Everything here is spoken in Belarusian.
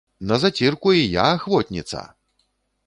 На зацірку і я ахвотніца!